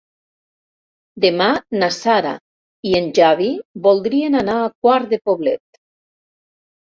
Demà na Sara i en Xavi voldrien anar a Quart de Poblet.